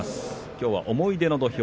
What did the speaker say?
きょうは「思い出の土俵」